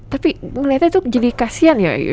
tapi melihatnya itu jadi kasian ya